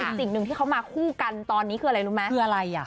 สิ่งหนึ่งที่เขามาคู่กันตอนนี้คืออะไรรู้ไหมคืออะไรอ่ะ